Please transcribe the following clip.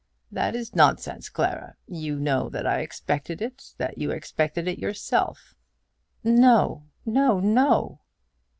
"That is nonsense, Clara. You know that I expected it; that you expected it yourself." "No; no, no!"